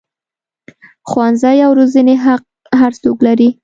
ښوونې او روزنې حق هر څوک لري.